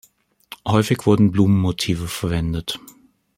Häufig wurden Blumenmotive verwendet.